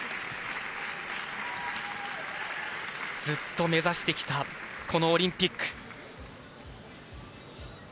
ずっと目指してきたこのオリンピック。